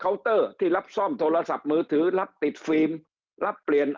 เตอร์ที่รับซ่อมโทรศัพท์มือถือรับติดฟิล์มรับเปลี่ยน